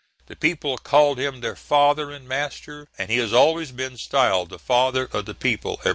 The people called him their "father and master," and he has always been styled the father of the people ever since.